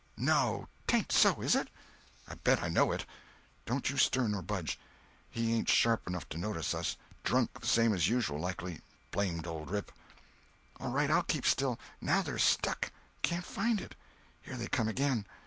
"No—'tain't so, is it?" "I bet I know it. Don't you stir nor budge. He ain't sharp enough to notice us. Drunk, the same as usual, likely—blamed old rip!" "All right, I'll keep still. Now they're stuck. Can't find it. Here they come again.